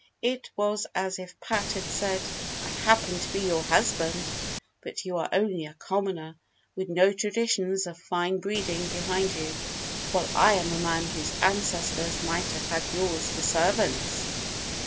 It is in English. It was as if Pat had said, "I happen to be your husband, but you are only a commoner with no traditions of fine breeding behind you, while I am a man whose ancestors might have had yours for servants.